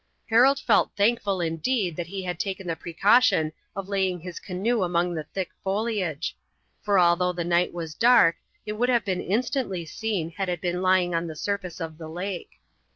Harold felt thankful indeed that he had taken the precaution of laying his canoe among the thick foliage, for although the night was dark it would have been instantly seen had it been lying on the surface of the lake.